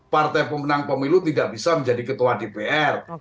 partai pemenang pemilu tidak bisa menjadi ketua dpr